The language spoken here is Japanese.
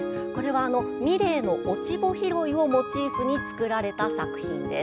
ミレーの「落穂拾い」をモチーフに作られた作品です。